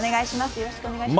よろしくお願いします。